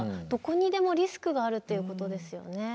どこにでもリスクがあるっていうことですよね。